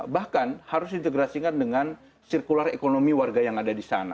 bahkan harus diintegrasikan dengan sirkular ekonomi warga yang ada di sana